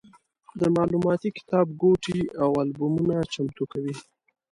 د معلوماتي کتابګوټي او البومونه چمتو کوي.